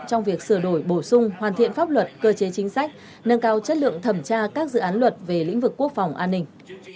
trong việc sửa đổi bổ sung hoàn thiện pháp luật cơ chế chính sách nâng cao chất lượng thẩm tra các dự án luật về lĩnh vực quốc phòng an ninh